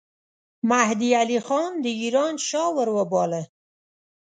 مهدي علي خان د ایران شاه وروباله.